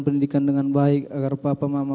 pendidikan dengan baik agar papa mama